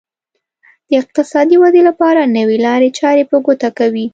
د اقتصادي ودې لپاره نوې لارې چارې په ګوته کوي.